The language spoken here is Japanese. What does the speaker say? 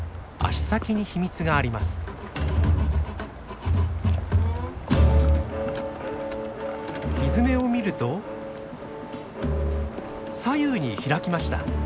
ヒヅメを見ると左右に開きました。